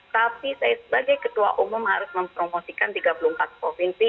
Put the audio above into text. tapi saya sebagai ketua umum harus mempromosikan tiga puluh empat provinsi